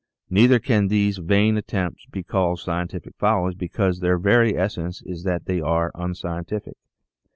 Neither can these vain attempts be called scientific follies because their very essence is that they are unscientific.